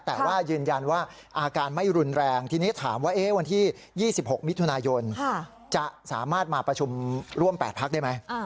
แต่ว่ายืนยันว่าอาการไม่รุนแรงทีนี้ถามว่าวันที่๒๖มิถุนายนจะสามารถมาประชุมร่วม๘พักได้ไหม